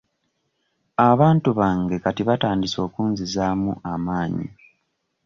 Abantu bange kati batandise okunzizaamu amaanyi.